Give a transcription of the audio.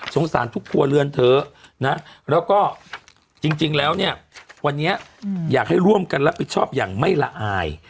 สารทุกครัวเรือนเถอะนะแล้วก็จริงแล้วเนี่ยวันนี้อยากให้ร่วมกันรับผิดชอบอย่างไม่ละอาย